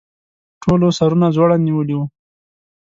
ټولو سرونه ځوړند نیولي وو.